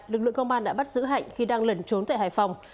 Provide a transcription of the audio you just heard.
lực lượng công an đã bắt giữ hạnh khi đang lẩn trốn tại hải phòng